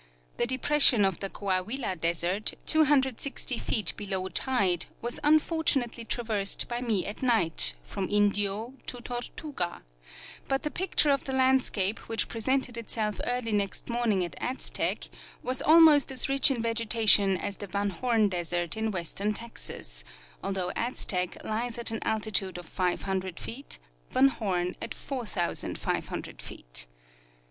The depression of the Coahuila desert, 260 feet below tide, was un fortunately traversed by me at night, from Indio to Tortuga ; but the picture of the landscape which presented itself early next morning at Aztec was almost as rich in vegetation as the Van horne desert in western Texas, although Aztec lies at an altitude of 500 feet, Vanhorne at 4,500 feet.